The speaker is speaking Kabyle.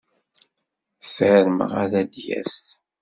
Sarmeɣ ad d-yas.